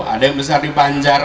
ada yang besar di panjar